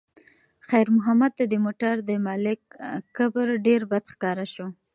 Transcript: خیر محمد ته د موټر د مالک کبر ډېر بد ښکاره شو.